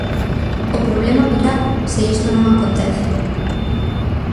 O problema virá se isto non acontece.